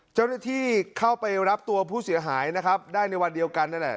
เจ้าหน้าที่เข้าไปรับตัวผู้เสียหายนะครับได้ในวันเดียวกันนั่นแหละ